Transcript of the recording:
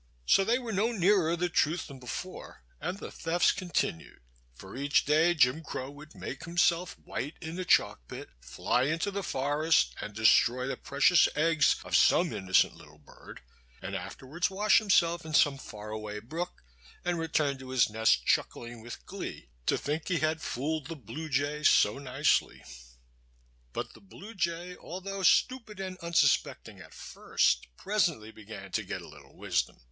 So they were no nearer the truth than before, and the thefts continued; for each day Jim Crow would make himself white in the chalk pit, fly into the forest and destroy the precious eggs of some innocent little bird, and afterward wash himself in some far away brook, and return to his nest chuckling with glee to think he had fooled the Blue Jay so nicely. But the Blue Jay, although stupid and unsuspecting at first, presently began to get a little wisdom.